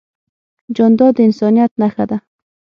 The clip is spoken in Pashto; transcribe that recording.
جانداد د انسانیت نښه ده.